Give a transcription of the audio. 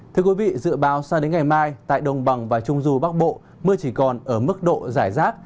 thưa quý vị dự báo sang đến ngày mai tại đồng bằng và trung du bắc bộ mưa chỉ còn ở mức độ giải rác